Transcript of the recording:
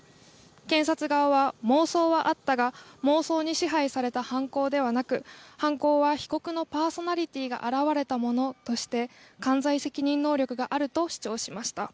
検察側は、妄想はあったが妄想に支配された犯行ではなく犯行は被告のパーソナリティーが表れたものとして完全責任能力があると主張しました。